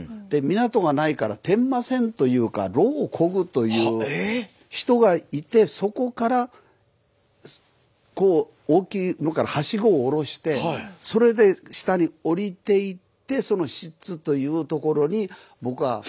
で港がないから伝馬船というか櫓をこぐという人がいてそこからこう大きいのからはしごを下ろしてそれで下に降りていってその出津というところに僕は。